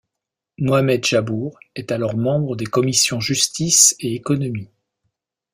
Mohammed Jabour est alors membre des commissions justice et économie.